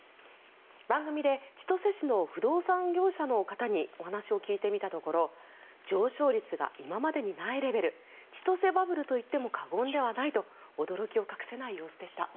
番組で千歳市の不動産業者の方にお話を聞いてみたところ上昇率が今までにないレベル千歳バブルといっても過言ではないと驚きを隠せない様子でした。